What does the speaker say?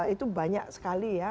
itu banyak sekali